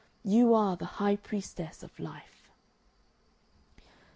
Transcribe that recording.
You are the High Priestess of Life...."